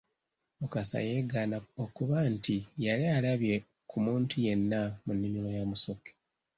Mukasa yeegaana okuba nti yali alabye ku muntu yenna mu nnimiro ya Musoke.